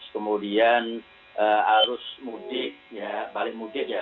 kemudian arus mudik ya balik mudik ya